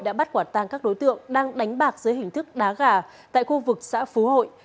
đã bắt quả tang các đối tượng đang đánh bạc dưới hình thức đá gà tại khu vực xã phú hội